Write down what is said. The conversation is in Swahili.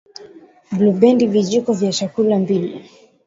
Blubendi vijiko vya chakula mbili